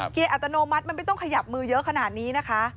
อัตโนมัติมันไม่ต้องขยับมือเยอะขนาดนี้นะคะ